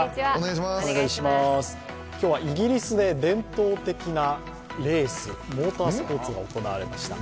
今日はイギリスで伝統的なレース、モータースポーツが行われました。